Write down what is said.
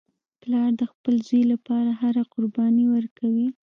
پلار د خپل زوی لپاره هره قرباني ورکوي